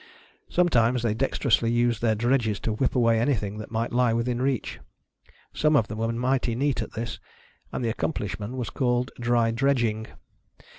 Sometimes, they dexter ously used their dredges to whip away any thing that might lie within reach. Some of them were mighty neat at this, and the accomplishment wTas called dry dredging.